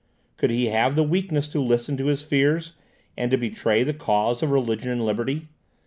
Could he have the weakness to listen to his fears, and to betray the cause of religion and liberty?